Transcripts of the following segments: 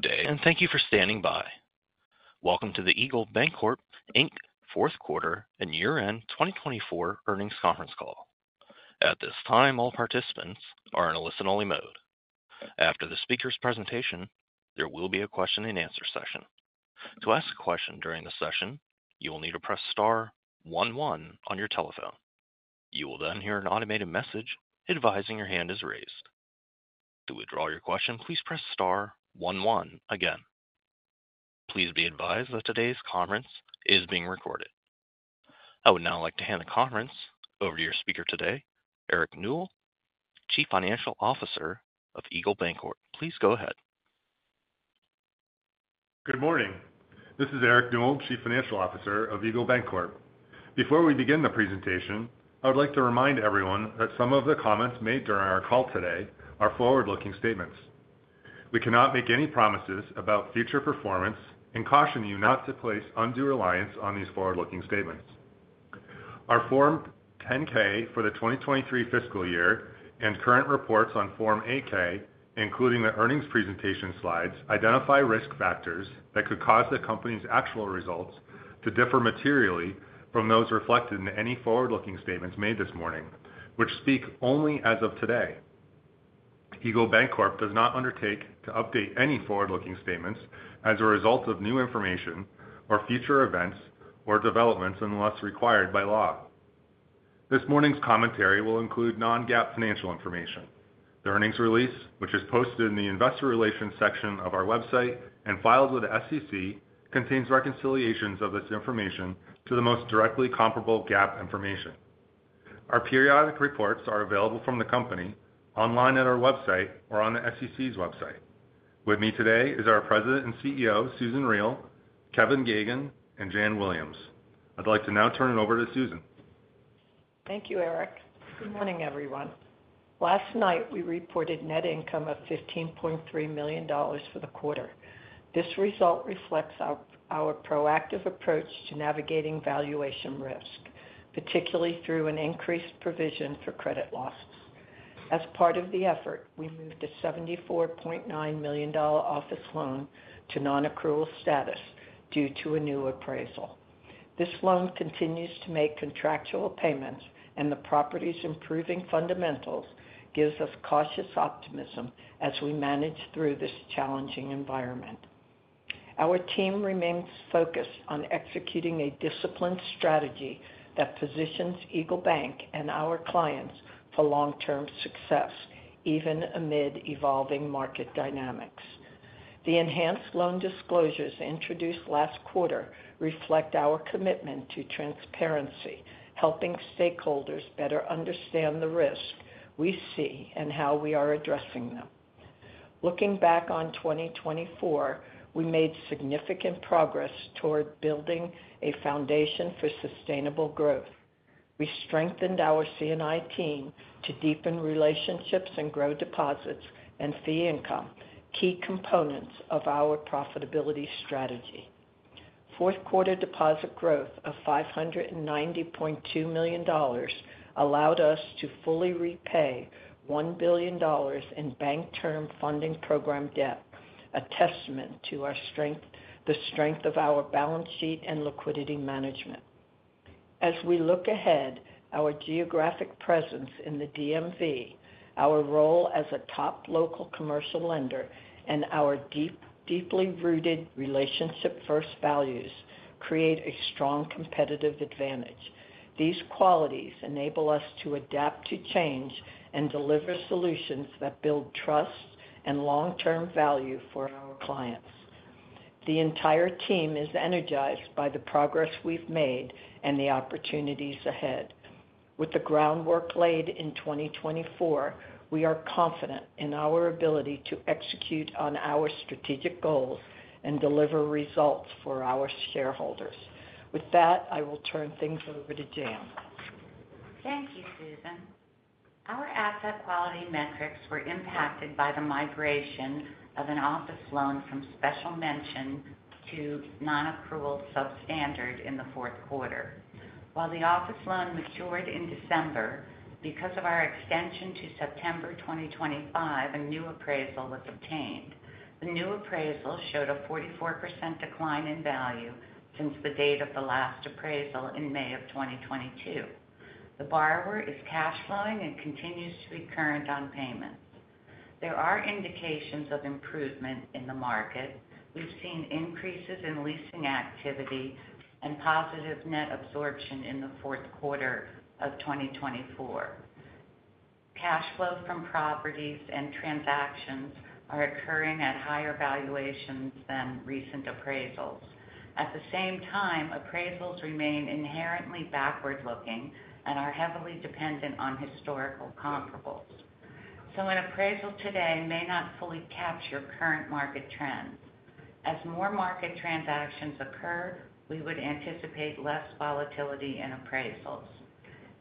Good day, and thank you for standing by. Welcome to the Eagle Bancorp, Inc., Fourth Quarter and Year End 2024 Earnings Conference Call. At this time, all participants are in a listen-only mode. After the speaker's presentation, there will be a question-and-answer session. To ask a question during the session, you will need to press star one, one on your telephone. You will then hear an automated message advising your hand is raised. To withdraw your question, please press star one, one again. Please be advised that today's conference is being recorded. I would now like to hand the conference over to your speaker today, Eric Newell, Chief Financial Officer of Eagle Bancorp. Please go ahead. Good morning. This is Eric Newell, Chief Financial Officer of Eagle Bancorp. Before we begin the presentation, I would like to remind everyone that some of the comments made during our call today are forward-looking statements. We cannot make any promises about future performance and caution you not to place undue reliance on these forward-looking statements. Our Form 10-K for the 2023 fiscal year and current reports on Form 8-K, including the earnings presentation slides, identify risk factors that could cause the company's actual results to differ materially from those reflected in any forward-looking statements made this morning, which speak only as of today. Eagle Bancorp does not undertake to update any forward-looking statements as a result of new information or future events or developments unless required by law. This morning's commentary will include non-GAAP financial information. The earnings release, which is posted in the investor relations section of our website and filed with the SEC, contains reconciliations of this information to the most directly comparable GAAP information. Our periodic reports are available from the company online at our website or on the SEC's website. With me today are our President and CEO, Susan Riel, Kevin Geoghegan, and Jan Williams. I'd like to now turn it over to Susan. Thank you, Eric. Good morning, everyone. Last night, we reported net income of $15.3 million for the quarter. This result reflects our proactive approach to navigating valuation risk, particularly through an increased provision for credit loss. As part of the effort, we moved a $74.9 million office loan to non-accrual status due to a new appraisal. This loan continues to make contractual payments, and the property's improving fundamentals give us cautious optimism as we manage through this challenging environment. Our team remains focused on executing a disciplined strategy that positions Eagle Bancorp and our clients for long-term success, even amid evolving market dynamics. The enhanced loan disclosures introduced last quarter reflect our commitment to transparency, helping stakeholders better understand the risks we see and how we are addressing them. Looking back on 2024, we made significant progress toward building a foundation for sustainable growth. We strengthened our C&I team to deepen relationships and grow deposits and fee income, key components of our profitability strategy. Fourth quarter deposit growth of $590.2 million allowed us to fully repay $1 billion in Bank Term Funding Program debt, a testament to the strength of our balance sheet and liquidity management. As we look ahead, our geographic presence in the DMV, our role as a top local commercial lender, and our deeply rooted relationship-first values create a strong competitive advantage. These qualities enable us to adapt to change and deliver solutions that build trust and long-term value for our clients. The entire team is energized by the progress we've made and the opportunities ahead. With the groundwork laid in 2024, we are confident in our ability to execute on our strategic goals and deliver results for our shareholders. With that, I will turn things over to Jan. Thank you, Susan. Our asset quality metrics were impacted by the migration of an office loan from special mention to non-accrual substandard in the fourth quarter. While the office loan matured in December, because of our extension to September 2025, a new appraisal was obtained. The new appraisal showed a 44% decline in value since the date of the last appraisal in May of 2022. The borrower is cash flowing and continues to be current on payments. There are indications of improvement in the market. We've seen increases in leasing activity and positive net absorption in the fourth quarter of 2024. Cash flow from properties and transactions are occurring at higher valuations than recent appraisals. At the same time, appraisals remain inherently backward-looking and are heavily dependent on historical comparables. So an appraisal today may not fully capture current market trends. As more market transactions occur, we would anticipate less volatility in appraisals.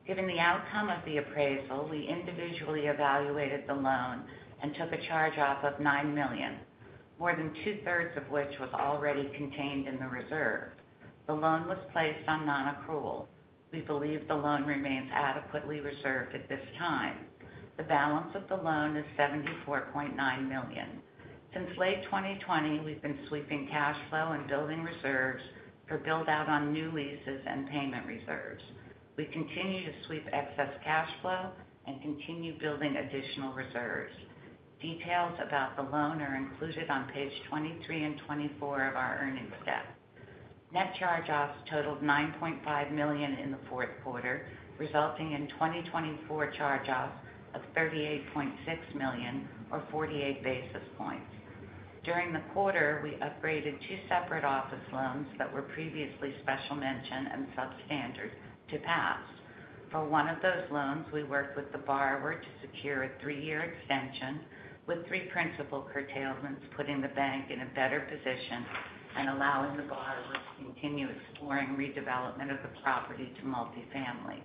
Given the outcome of the appraisal, we individually evaluated the loan and took a charge-off of $9 million, more than 2/3 of which was already contained in the reserve. The loan was placed on non-accrual. We believe the loan remains adequately reserved at this time. The balance of the loan is $74.9 million. Since late 2020, we've been sweeping cash flow and building reserves for build-out on new leases and payment reserves. We continue to sweep excess cash flow and continue building additional reserves. Details about the loan are included on page 23 and 24 of our earnings stack. Net charge-offs totaled $9.5 million in the fourth quarter, resulting in 2024 charge-offs of $38.6 million, or 48 basis points. During the quarter, we upgraded two separate office loans that were previously Special Mention and Substandard to pass. For one of those loans, we worked with the borrower to secure a three-year extension, with three principal curtailments putting the bank in a better position and allowing the borrower to continue exploring redevelopment of the property to multifamily.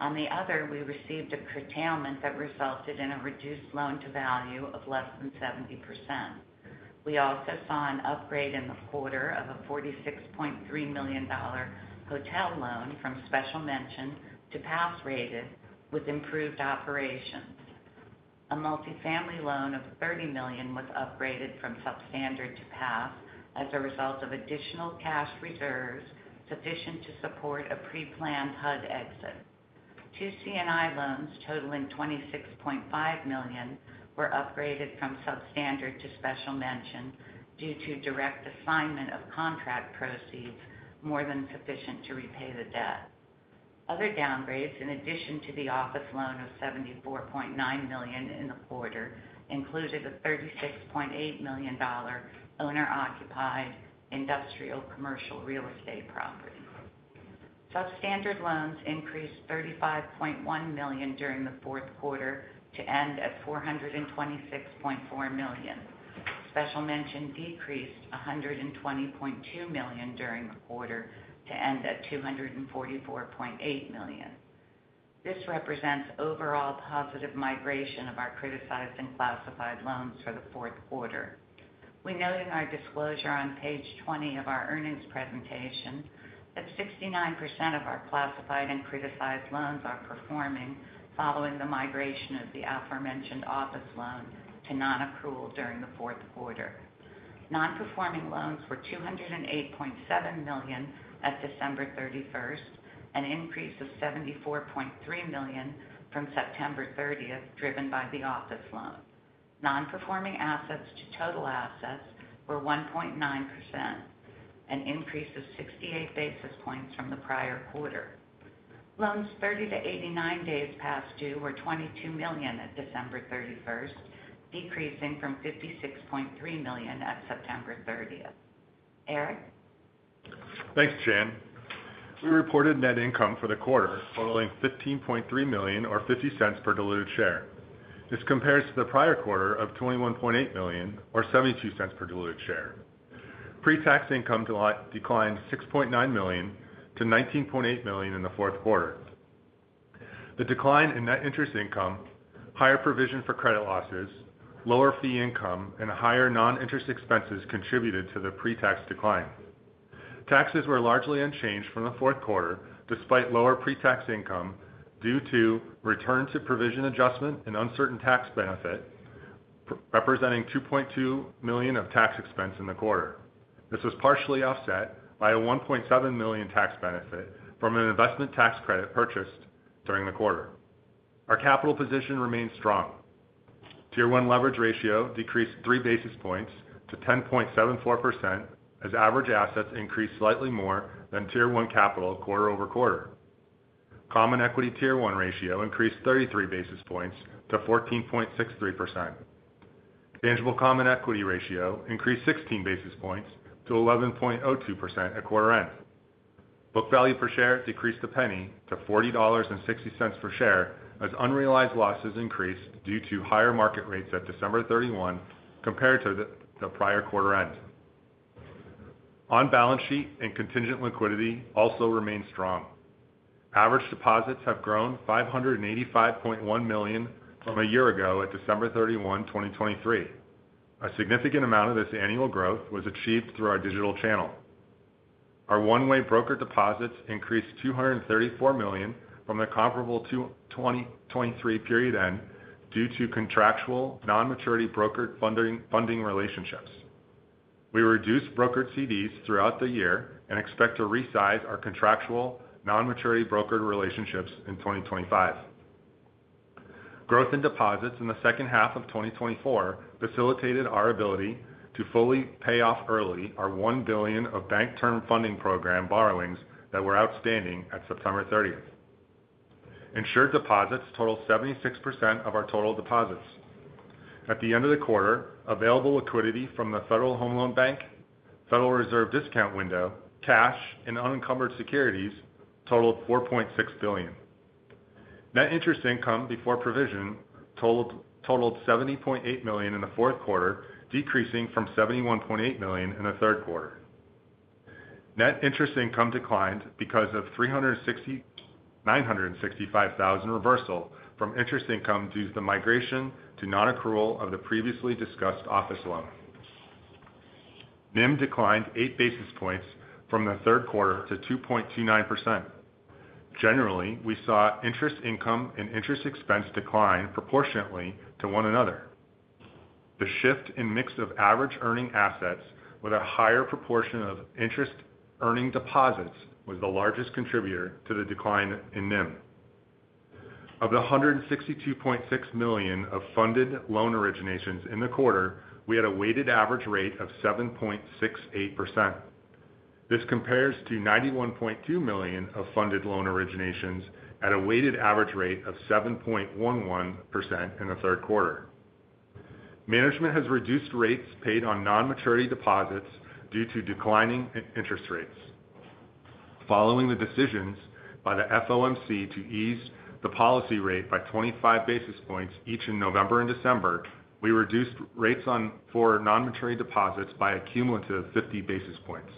On the other, we received a curtailment that resulted in a reduced loan-to-value of less than 70%. We also saw an upgrade in the quarter of a $46.3 million hotel loan from special mention to pass-rated with improved operations. A multifamily loan of $30 million was upgraded from substandard to pass as a result of additional cash reserves sufficient to support a pre-planned HUD exit. Two C&I loans totaling $26.5 million were upgraded from substandard to special mention due to direct assignment of contract proceeds more than sufficient to repay the debt. Other downgrades, in addition to the office loan of $74.9 million in the quarter, included a $36.8 million owner-occupied industrial commercial real estate property. Substandard loans increased $35.1 million during the fourth quarter to end at $426.4 million. Special mention decreased $120.2 million during the quarter to end at $244.8 million. This represents overall positive migration of our criticized and classified loans for the fourth quarter. We note in our disclosure on page 20 of our earnings presentation that 69% of our classified and criticized loans are performing following the migration of the aforementioned office loan to non-accrual during the fourth quarter. Non-performing loans were $208.7 million at December 31st, an increase of $74.3 million from September 30th driven by the office loan. Non-performing assets to total assets were 1.9%, an increase of 68 basis points from the prior quarter. Loans 30 to 89 days past due were $22 million at December 31st, decreasing from $56.3 million at September 30th. Eric? Thanks, Jan. We reported net income for the quarter totaling $15.3 million, or $0.50 per diluted share. This compares to the prior quarter of $21.8 million, or $0.72 per diluted share. Pre-tax income declined $6.9 million to $19.8 million in the fourth quarter. The decline in net interest income, higher provision for credit losses, lower fee income, and higher non-interest expenses contributed to the pre-tax decline. Taxes were largely unchanged from the fourth quarter despite lower pre-tax income due to return to provision adjustment and uncertain tax benefit representing $2.2 million of tax expense in the quarter. This was partially offset by a $1.7 million tax benefit from an investment tax credit purchased during the quarter. Our capital position remained strong. Tier 1 leverage ratio decreased 3 basis points to 10.74% as average assets increased slightly more than Tier 1 capital quarter over quarter. Common Equity Tier 1 ratio increased 33 basis points to 14.63%. Tangible Common Equity ratio increased 16 basis points to 11.02% at quarter end. Book value per share decreased $0.01 to $40.60 per share as unrealized losses increased due to higher market rates at December 31 compared to the prior-quarter end. On-balance sheet and contingent liquidity also remained strong. Average deposits have grown $585.1 million from a year ago at December 31, 2023. A significant amount of this annual growth was achieved through our digital channel. Our one-way brokered deposits increased $234 million from the comparable 2023 period end due to contractual non-maturity brokered funding relationships. We reduced brokered CDs throughout the year and expect to resize our contractual non-maturity brokered relationships in 2025. Growth in deposits in the second half of 2024 facilitated our ability to fully pay off early our $1 billion of Bank Term Funding Program borrowings that were outstanding at September 30th. Insured deposits totaled 76% of our total deposits. At the end of the quarter, available liquidity from the Federal Home Loan Bank, Federal Reserve discount window, cash, and unencumbered securities totaled $4.6 billion. Net interest income before provision totaled $70.8 million in the fourth quarter, decreasing from $71.8 million in the third quarter. Net interest income declined because of $965,000 reversal from interest income due to the migration to non-accrual of the previously discussed office loan. NIM declined 8 basis points from the third quarter to 2.29%. Generally, we saw interest income and interest expense decline proportionately to one another. The shift in mix of average earning assets with a higher proportion of interest earning deposits was the largest contributor to the decline in NIM. Of the $162.6 million of funded loan originations in the quarter, we had a weighted average rate of 7.68%. This compares to $91.2 million of funded loan originations at a weighted average rate of 7.11% in the third quarter. Management has reduced rates paid on non-maturity deposits due to declining interest rates. Following the decisions by the FOMC to ease the policy rate by 25 basis points each in November and December, we reduced rates for non-maturity deposits by a cumulative 50 basis points.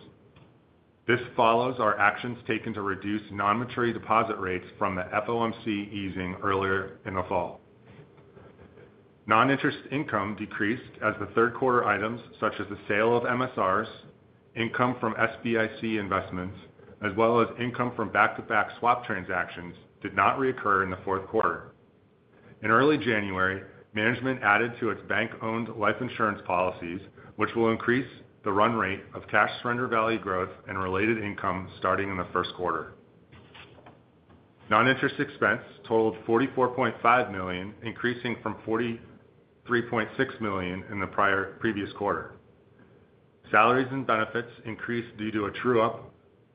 This follows our actions taken to reduce non-maturity deposit rates from the FOMC easing earlier in the fall. Non-interest income decreased as the third quarter items such as the sale of MSRs, income from SBIC investments, as well as income from back-to-back swap transactions did not reoccur in the fourth quarter. In early January, management added to its bank-owned life insurance policies, which will increase the run rate of cash surrender value growth and related income starting in the first quarter. Non-interest expense totaled $44.5 million, increasing from $43.6 million in the previous quarter. Salaries and benefits increased due to a true-up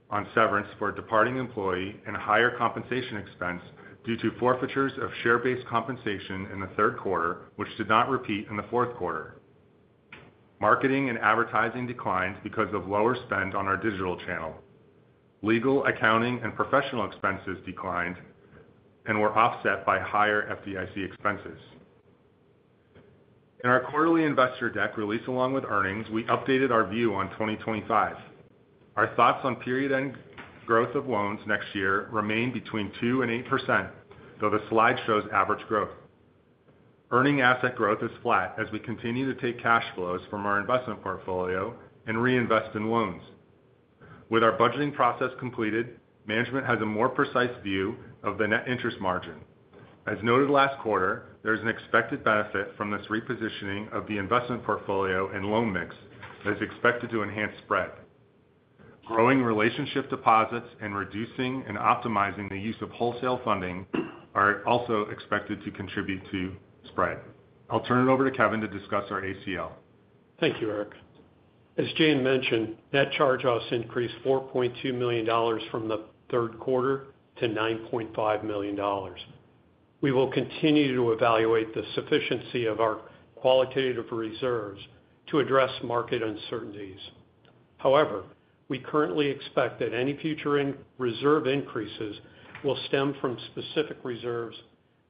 on severance for a departing employee and higher compensation expense due to forfeitures of share-based compensation in the third quarter, which did not repeat in the fourth quarter. Marketing and advertising declined because of lower spend on our digital channel. Legal, accounting, and professional expenses declined and were offset by higher FDIC expenses. In our quarterly investor deck release along with earnings, we updated our view on 2025. Our thoughts on period-end growth of loans next year remain between 2% and 8%, though the slide shows average growth. Earning asset growth is flat as we continue to take cash flows from our investment portfolio and reinvest in loans. With our budgeting process completed, management has a more precise view of the net interest margin. As noted last quarter, there is an expected benefit from this repositioning of the investment portfolio and loan mix that is expected to enhance spread. Growing relationship deposits and reducing and optimizing the use of wholesale funding are also expected to contribute to spread. I'll turn it over to Kevin to discuss our ACL. Thank you, Eric. As Jan mentioned, net charge-offs increased $4.2 million from the third quarter to $9.5 million. We will continue to evaluate the sufficiency of our qualitative reserves to address market uncertainties. However, we currently expect that any future reserve increases will stem from specific reserves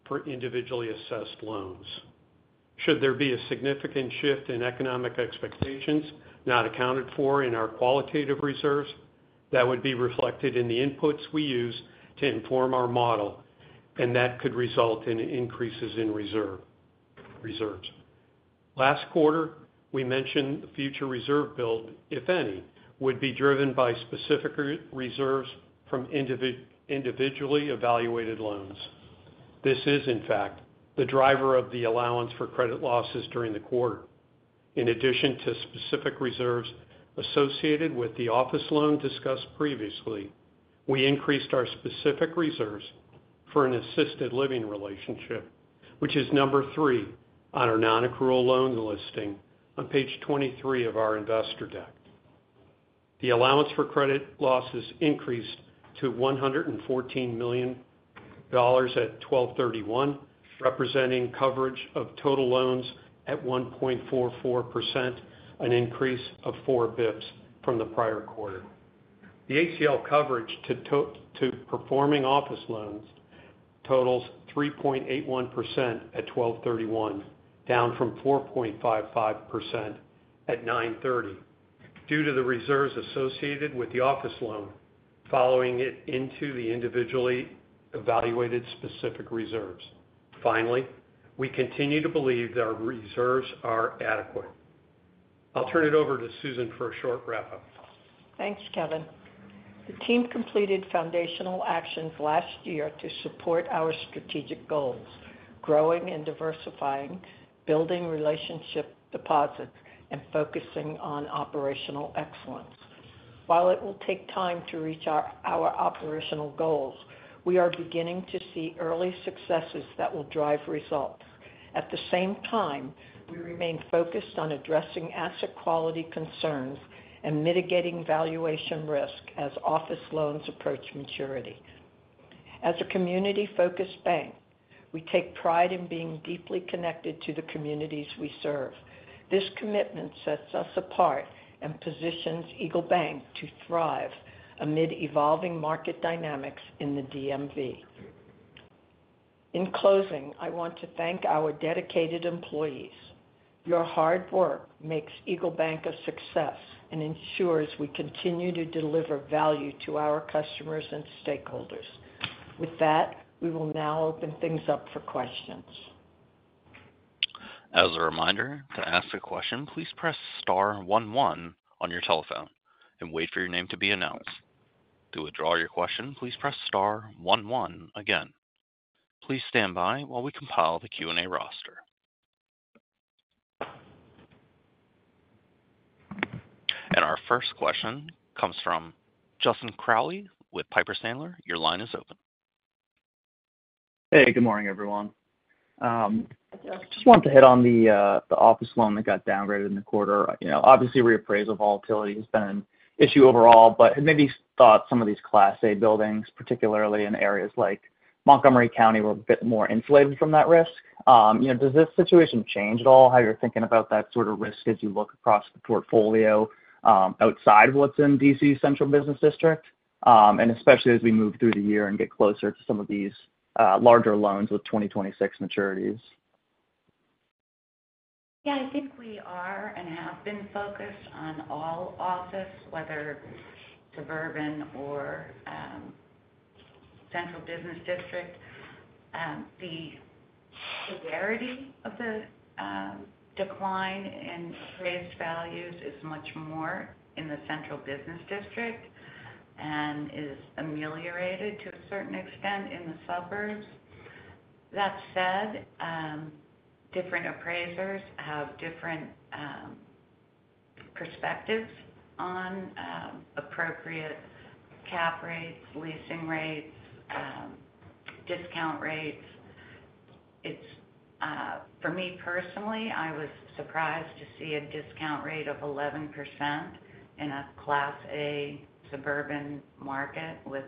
for individually assessed loans. Should there be a significant shift in economic expectations not accounted for in our qualitative reserves, that would be reflected in the inputs we use to inform our model, and that could result in increases in reserves. Last quarter, we mentioned the future reserve build, if any, would be driven by specific reserves from individually evaluated loans. This is, in fact, the driver of the allowance for credit losses during the quarter. In addition to specific reserves associated with the office loan discussed previously, we increased our specific reserves for an assisted living relationship, which is number three on our non-accrual loan listing on page 23 of our investor deck. The allowance for credit losses increased to $114 million at December 31, representing coverage of total loans at 1.44%, an increase of 4 bps from the prior quarter. The ACL coverage to performing office loans totals 3.81% at December 31, down from 4.55% at September 30 due to the reserves associated with the office loan following it into the individually evaluated specific reserves. Finally, we continue to believe that our reserves are adequate. I'll turn it over to Susan for a short wrap-up. Thanks, Kevin. The team completed foundational actions last year to support our strategic goals: growing and diversifying, building relationship deposits, and focusing on operational excellence. While it will take time to reach our operational goals, we are beginning to see early successes that will drive results. At the same time, we remain focused on addressing asset quality concerns and mitigating valuation risk as office loans approach maturity. As a community-focused bank, we take pride in being deeply connected to the communities we serve. This commitment sets us apart and positions EagleBank to thrive amid evolving market dynamics in the DMV. In closing, I want to thank our dedicated employees. Your hard work makes EagleBank a success and ensures we continue to deliver value to our customers and stakeholders. With that, we will now open things up for questions. As a reminder, to ask a question, please press star one, one on your telephone and wait for your name to be announced. To withdraw your question, please press star one, one again. Please stand by while we compile the Q&A roster. Our first question comes from Justin Crowley with Piper Sandler. Your line is open. Hey, good morning, everyone. Just wanted to hit on the office loan that got downgraded in the quarter. Obviously, reappraisal volatility has been an issue overall, but maybe thought some of these Class A buildings, particularly in areas like Montgomery County, were a bit more insulated from that risk. Does this situation change at all, how you're thinking about that sort of risk as you look across the portfolio outside of what's in DC's Central Business District? And especially as we move through the year and get closer to some of these larger loans with 2026 maturities? Yeah, I think we are and have been focused on all office, whether suburban or Central Business District. The severity of the decline in appraised values is much more in the Central Business District and is ameliorated to a certain extent in the suburbs. That said, different appraisers have different perspectives on appropriate cap rates, leasing rates, discount rates. For me personally, I was surprised to see a discount rate of 11% in a Class A suburban market with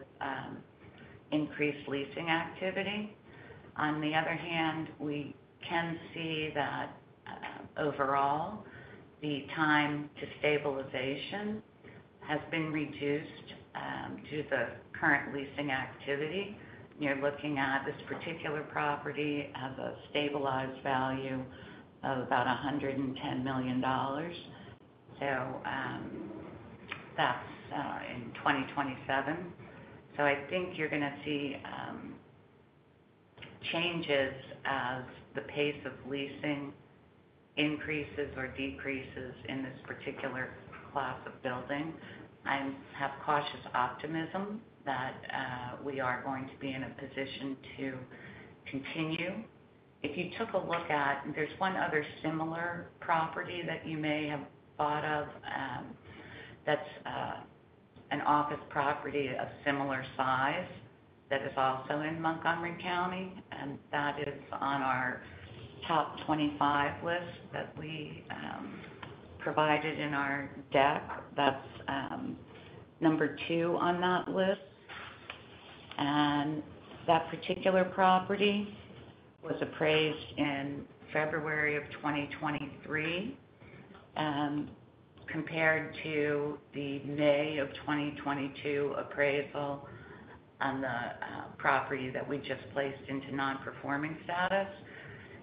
increased leasing activity. On the other hand, we can see that overall, the time to stabilization has been reduced due to the current leasing activity. You're looking at this particular property as a stabilized value of about $110 million, so that's in 2027, so I think you're going to see changes as the pace of leasing increases or decreases in this particular class of building. I have cautious optimism that we are going to be in a position to continue. If you took a look at, there's one other similar property that you may have thought of that's an office property of similar size that is also in Montgomery County, and that is on our top 25 list that we provided in our deck. That's number two on that list. And that particular property was appraised in February of 2023. Compared to the May of 2022 appraisal on the property that we just placed into non-performing status,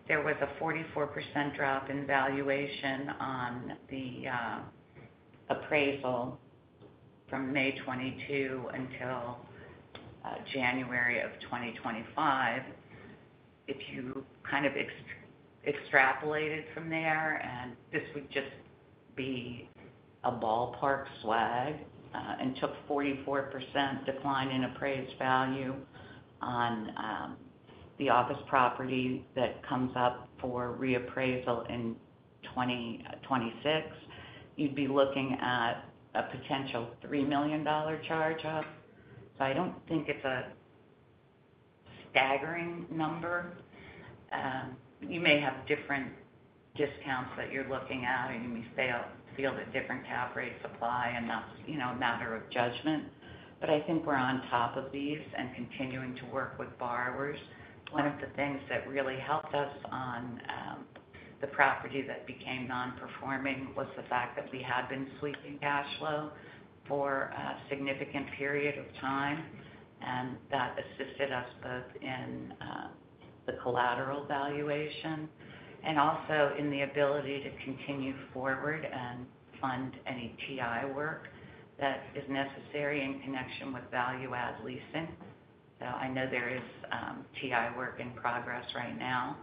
there was a 44% drop in valuation on the appraisal from May 2022 until January of 2025. If you kind of extrapolated from there, and this would just be a ballpark swag, and took 44% decline in appraised value on the office property that comes up for reappraisal in 2026, you'd be looking at a potential $3 million charge-off. So I don't think it's a staggering number. You may have different discounts that you're looking at, and you may feel that different cap rates apply, and that's a matter of judgment. But I think we're on top of these and continuing to work with borrowers. One of the things that really helped us on the property that became non-performing was the fact that we had been sweeping cash flow for a significant period of time, and that assisted us both in the collateral valuation and also in the ability to continue forward and fund any TI work that is necessary in connection with value-add leasing. I know there is TI work in progress right now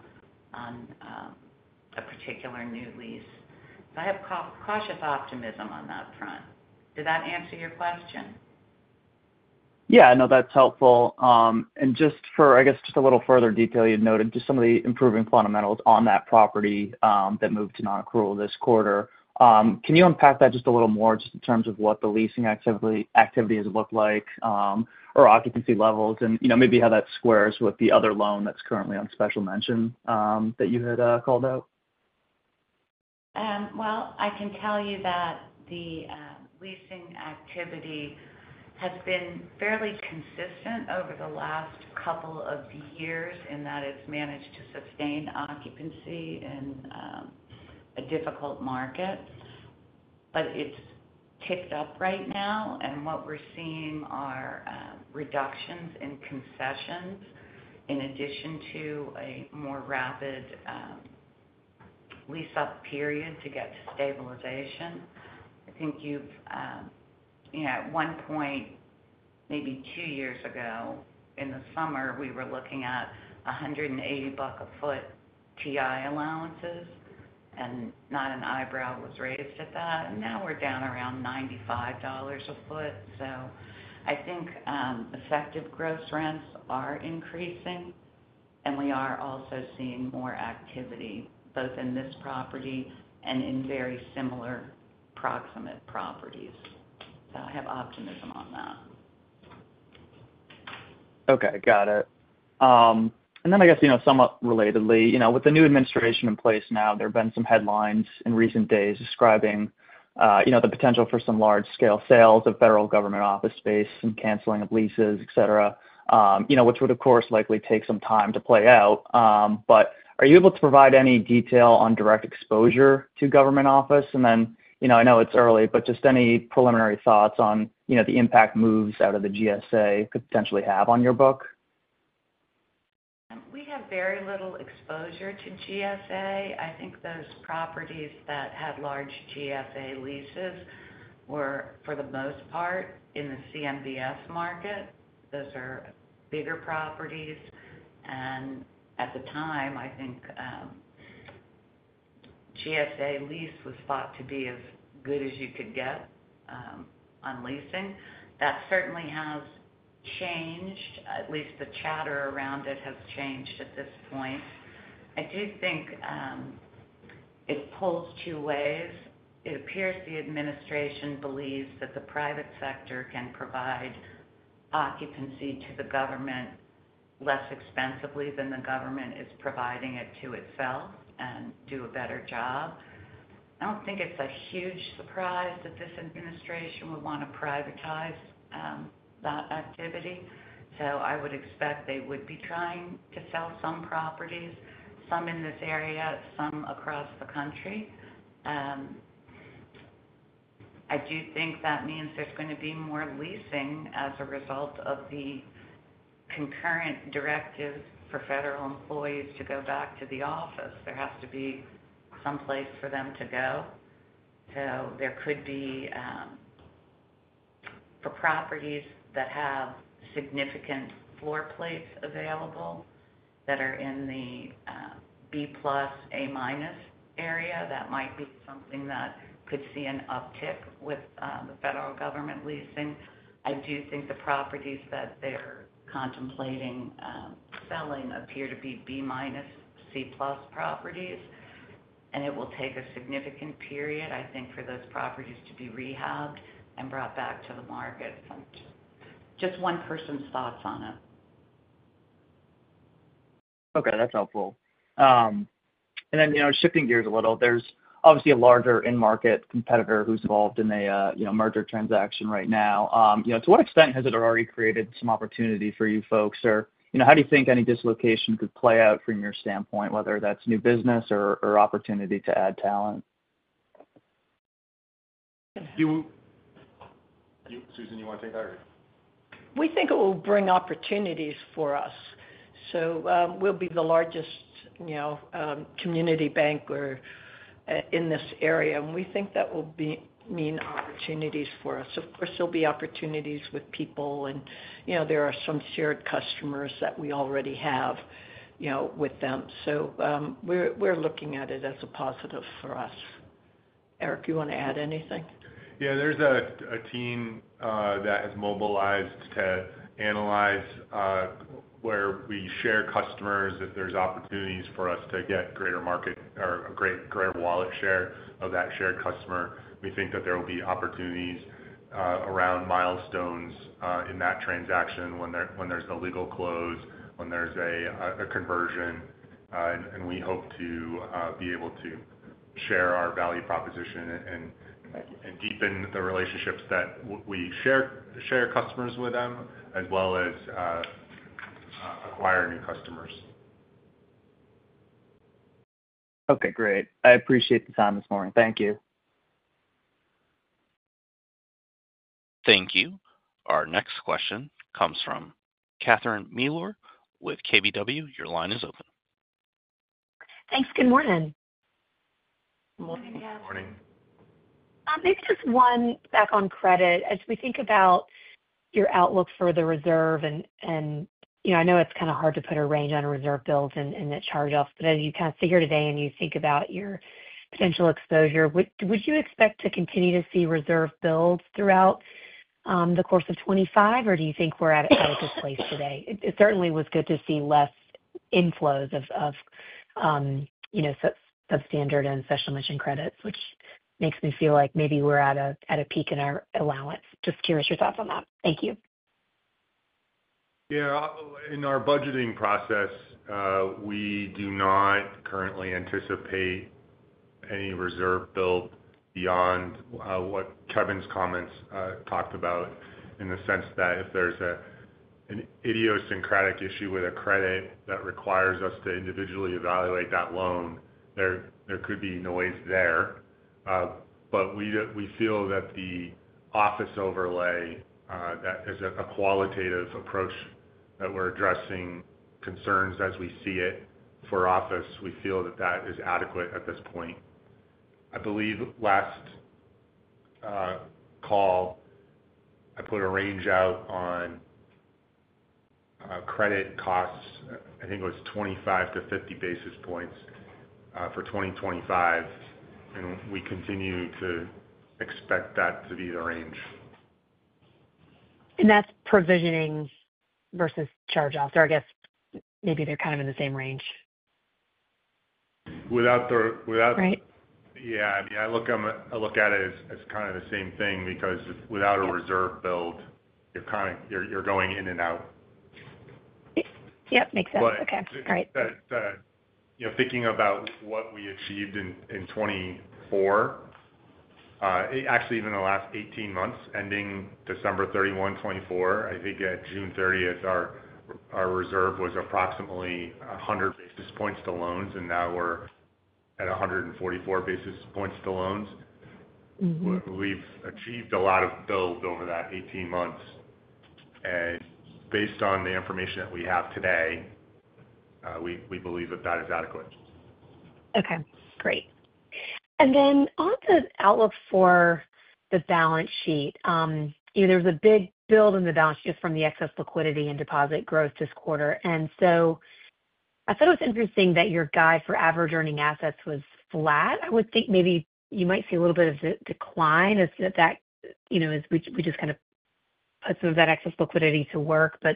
on a particular new lease. I have cautious optimism on that front. Did that answer your question? Yeah, no, that's helpful, and just for, I guess, just a little further detail you'd noted just some of the improving fundamentals on that property that moved to non-accrual this quarter. Can you unpack that just a little more just in terms of what the leasing activity has looked like or occupancy levels and maybe how that squares with the other loan that's currently on Special Mention that you had called out? I can tell you that the leasing activity has been fairly consistent over the last couple of years in that it's managed to sustain occupancy in a difficult market. But it's ticked up right now, and what we're seeing are reductions in concessions in addition to a more rapid lease-up period to get to stabilization. I think you've, at one point, maybe two years ago in the summer, we were looking at $180 a ft TI allowances, and not an eyebrow was raised at that. And now we're down around $95 a ft. So I think effective gross rents are increasing, and we are also seeing more activity both in this property and in very similar proximate properties. So I have optimism on that. Okay, got it. And then, I guess, somewhat relatedly, with the new administration in place now, there have been some headlines in recent days describing the potential for some large-scale sales of federal government office space and canceling of leases, etc., which would, of course, likely take some time to play out. But are you able to provide any detail on direct exposure to government office? And then I know it's early, but just any preliminary thoughts on the impact moves out of the GSA could potentially have on your book? We have very little exposure to GSA. I think those properties that had large GSA leases were, for the most part, in the CMBS market. Those are bigger properties. And at the time, I think GSA lease was thought to be as good as you could get on leasing. That certainly has changed. At least the chatter around it has changed at this point. I do think it pulls two ways. It appears the administration believes that the private sector can provide occupancy to the government less expensively than the government is providing it to itself and do a better job. I don't think it's a huge surprise that this administration would want to privatize that activity. So I would expect they would be trying to sell some properties, some in this area, some across the country. I do think that means there's going to be more leasing as a result of the concurrent directive for federal employees to go back to the office. There has to be someplace for them to go. So there could be properties that have significant floor plates available that are in the B+, A- area. That might be something that could see an uptick with the federal government leasing. I do think the properties that they're contemplating selling appear to be B-, C+ properties. And it will take a significant period, I think, for those properties to be rehabbed and brought back to the market. Just one person's thoughts on it. Okay, that's helpful. And then shifting gears a little, there's obviously a larger in-market competitor who's involved in a merger transaction right now. To what extent has it already created some opportunity for you folks? Or how do you think any dislocation could play out from your standpoint, whether that's new business or opportunity to add talent? Susan, you want to take that or? We think it will bring opportunities for us. So we'll be the largest community bank in this area, and we think that will mean opportunities for us. Of course, there'll be opportunities with people, and there are some shared customers that we already have with them. So we're looking at it as a positive for us. Eric, you want to add anything? Yeah, there's a team that has mobilized to analyze where we share customers, if there's opportunities for us to get greater market or a greater wallet share of that shared customer. We think that there will be opportunities around milestones in that transaction when there's a legal close, when there's a conversion, and we hope to be able to share our value proposition and deepen the relationships that we share customers with them, as well as acquire new customers. Okay, great. I appreciate the time this morning. Thank you. Thank you. Our next question comes from Catherine Mealor with KBW. Your line is open. Thanks. Good morning. Morning, Kath. Morning. Maybe just one back on credit. As we think about your outlook for the reserve, and I know it's kind of hard to put a range on reserve builds and that charge-off, but as you kind of sit here today and you think about your potential exposure, would you expect to continue to see reserve builds throughout the course of 2025, or do you think we're at a good place today? It certainly was good to see less inflows of Substandard and Special Mention credits, which makes me feel like maybe we're at a peak in our allowance. Just curious your thoughts on that. Thank you. Yeah, in our budgeting process, we do not currently anticipate any reserve build beyond what Kevin's comments talked about in the sense that if there's an idiosyncratic issue with a credit that requires us to individually evaluate that loan, there could be noise there. But we feel that the office overlay that is a qualitative approach that we're addressing concerns as we see it for office, we feel that that is adequate at this point. I believe last call, I put a range out on credit costs. I think it was 25-50 basis points for 2025, and we continue to expect that to be the range. That's provisioning versus charge-off, or I guess maybe they're kind of in the same range. Without the. Right? Yeah, I mean, I look at it as kind of the same thing because without a reserve build, you're going in and out. Yep, makes sense. Okay, great. But thinking about what we achieved in 2024, actually even in the last 18 months ending December 31, 2024, I think at June 30th, our reserve was approximately 100 basis points to loans, and now we're at 144 basis points to loans. We've achieved a lot of build over that 18 months. And based on the information that we have today, we believe that that is adequate. Okay, great, and then on the outlook for the balance sheet, there's a big build in the balance sheet just from the excess liquidity and deposit growth this quarter, and so I thought it was interesting that your guide for average earning assets was flat. I would think maybe you might see a little bit of a decline as we just kind of put some of that excess liquidity to work, but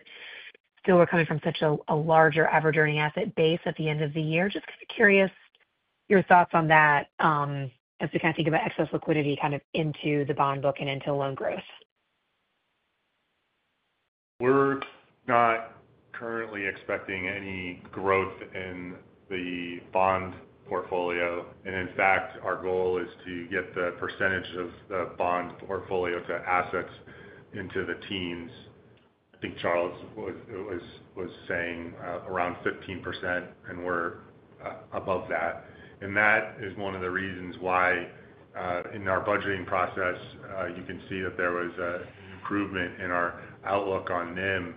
still, we're coming from such a larger average earning asset base at the end of the year. Just kind of curious your thoughts on that as we kind of think about excess liquidity kind of into the bond book and into loan growth. We're not currently expecting any growth in the bond portfolio, and in fact, our goal is to get the percentage of the bond portfolio to assets into the teens. I think Charles was saying around 15%, and we're above that, and that is one of the reasons why in our budgeting process, you can see that there was an improvement in our outlook on NIM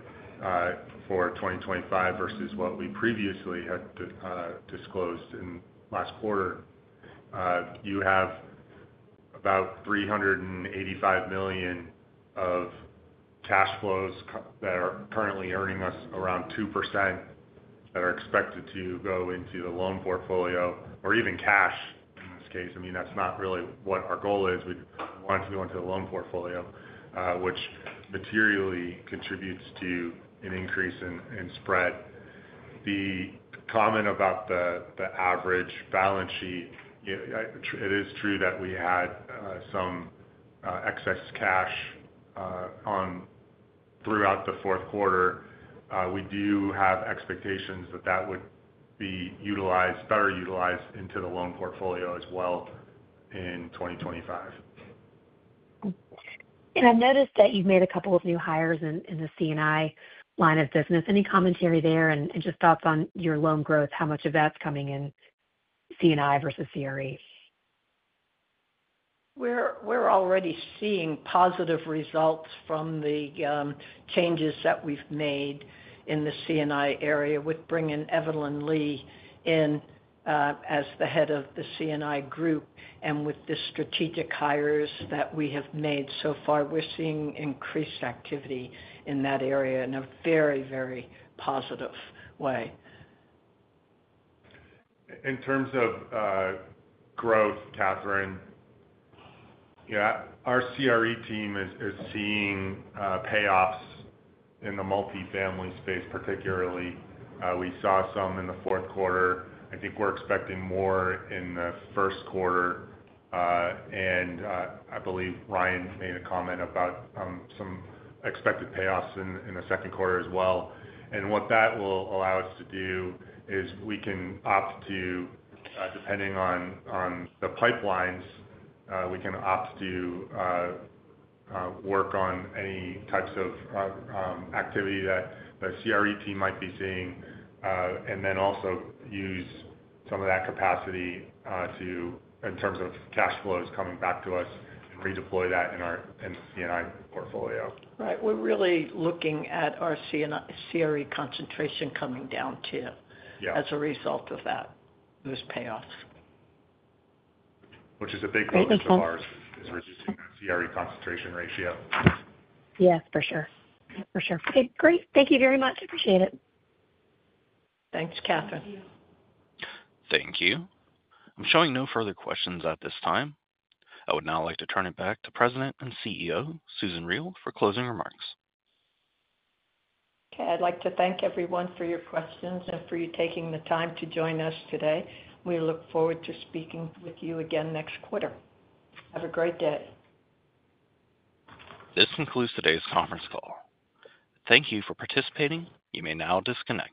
for 2025 versus what we previously had disclosed in last quarter. You have about $385 million of cash flows that are currently earning us around 2% that are expected to go into the loan portfolio or even cash in this case. I mean, that's not really what our goal is. We want to go into the loan portfolio, which materially contributes to an increase in spread. The comment about the average balance sheet, it is true that we had some excess cash throughout the fourth quarter. We do have expectations that that would be better utilized into the loan portfolio as well in 2025. And I've noticed that you've made a couple of new hires in the C&I line of business. Any commentary there and just thoughts on your loan growth, how much of that's coming in C&I versus CRE? We're already seeing positive results from the changes that we've made in the C&I area with bringing Evelyn Lee in as the head of the C&I group. And with the strategic hires that we have made so far, we're seeing increased activity in that area in a very, very positive way. In terms of growth, Catherine, our CRE team is seeing payoffs in the multifamily space, particularly. We saw some in the fourth quarter. I think we're expecting more in the first quarter, and I believe Ryan made a comment about some expected payoffs in the second quarter as well. And what that will allow us to do is we can opt to, depending on the pipelines, work on any types of activity that the CRE team might be seeing and then also use some of that capacity in terms of cash flows coming back to us and redeploy that in our C&I portfolio. Right. We're really looking at our CRE concentration coming down too as a result of that, those payoffs. Which is a big focus of ours, is reducing that CRE concentration ratio. Yes, for sure. For sure. Okay, great. Thank you very much. Appreciate it. Thanks, Catherine. Thank you. I'm showing no further questions at this time. I would now like to turn it back to President and CEO, Susan Riel for closing remarks. Okay, I'd like to thank everyone for your questions and for you taking the time to join us today. We look forward to speaking with you again next quarter. Have a great day. This concludes today's conference call. Thank you for participating. You may now disconnect.